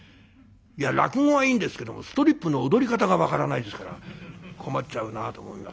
いや落語はいいんですけどもストリップの踊り方が分からないですから困っちゃうなと思いますけども。